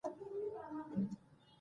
دا خو دنيا ده د سړي نه به دنيا خفه وي